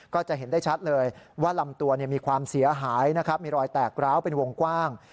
ก็จะเห็นได้ชัดเลยว่าลำตัวมีความเสียหายนะครับมีรอยแตกร้าวเป็นวงกว้าง